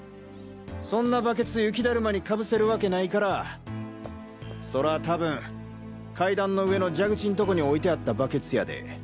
そんなバケツ雪だるまにかぶせるワケないからそら多分階段の上の蛇口んとこに置いてあったバケツやで！